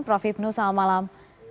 prof hipnu selamat malam